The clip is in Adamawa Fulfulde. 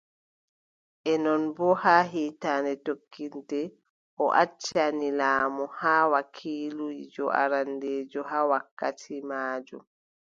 E non boo, haa hiitannde tokkiinde, o accani laamu haa, wakiliijo arandeejo haa wakkati maajum.